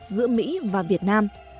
giữa mỹ và việt nam